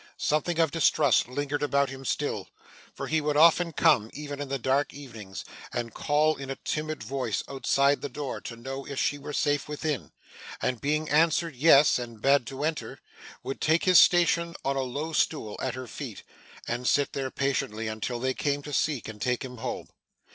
Something of distrust lingered about him still; for he would often come, even in the dark evenings, and call in a timid voice outside the door to know if she were safe within; and being answered yes, and bade to enter, would take his station on a low stool at her feet, and sit there patiently until they came to seek, and take him home.